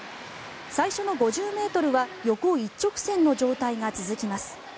最初の５０ｍは横一直線の状態が続きます。